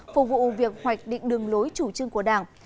phục vụ việc hoạch định đường lối chủ trương của đảng